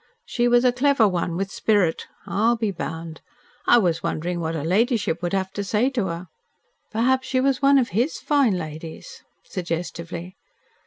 She was a clever one with a spirit, I'll be bound. I was wondering what her ladyship would have to say to her." "Perhaps she was one of HIS fine ladies?" suggestively.